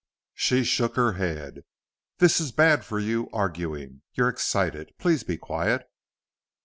She shook her head. "This is bad for you arguing. You're excited. Please be quiet."